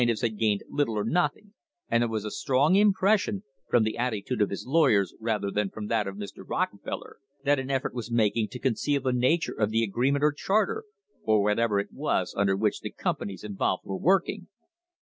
THE BREAKING UP OF THE TRUST plaintiffs had gained little or nothing, and there was a strong impression, from the attitude of his lawyers rather than from that of Mr. Rockefeller, that an effort was making to conceal the nature of the agreement or charter or whatever it was under which the companies involved were working.